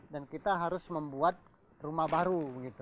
dan kita harus membuat rumah baru